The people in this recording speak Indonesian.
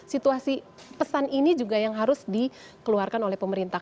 situasi pesan ini juga yang harus dikeluarkan oleh pemerintah